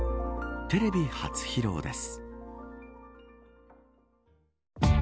テレビ初披露です。